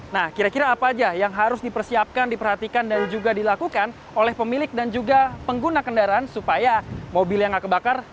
nah kira kira apa aja yang harus dipersiapkan diperhatikan dan juga dilakukan oleh pemilik dan juga pengguna kendaraan supaya mobil yang nggak kebakar